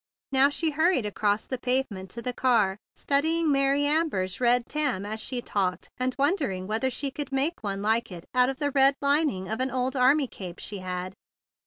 Now she hurried across the pavement to the car, studying Mary Amber's red tarn as she talked, and wondering whether she couldn't make one like it out of the red lining of an old army cape she had.